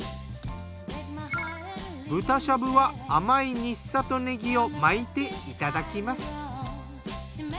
豚しゃぶは甘い新里ねぎを巻いていただきます。